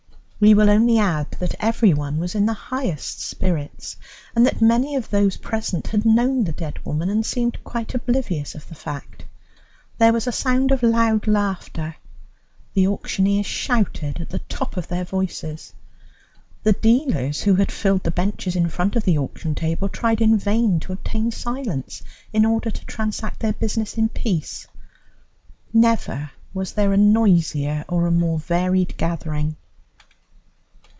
We will only add that everyone was in the highest spirits, and that many of those present had known the dead woman, and seemed quite oblivious of the fact. There was a sound of loud laughter; the auctioneers shouted at the top of their voices; the dealers who had filled the benches in front of the auction table tried in vain to obtain silence, in order to transact their business in peace. Never was there a noisier or a more varied gathering.